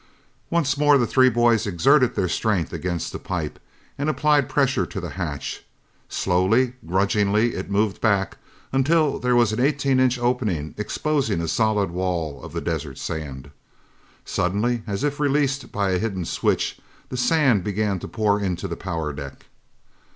Once more the three boys exerted their strength against the pipe and applied pressure to the hatch. Slowly, grudgingly it moved back, until there was an eighteen inch opening, exposing a solid wall of the desert sand. Suddenly, as if released by a hidden switch, the sand began to pour into the power deck.